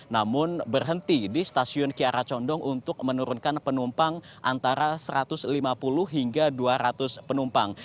namun berhenti di stasiun kiara condong untuk menurunkan penumpang antara satu ratus lima puluh hingga dua ratus penumpang